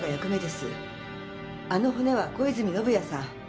あの骨は小泉宣也さん。